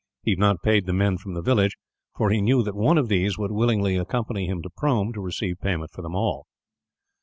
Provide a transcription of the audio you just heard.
He had not paid the men from the village, for he knew that one of these would willingly accompany him to Prome, to receive payment for them all.